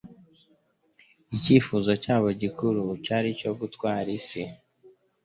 Icyifuzo cyabo gikuru cyari, icyo gutwara isi.